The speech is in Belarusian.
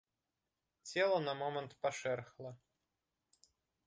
Цела на момант пашэрхла.